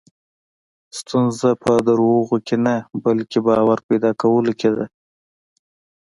ستونزه په دروغو کې نه، بلکې باور پیدا کولو کې ده.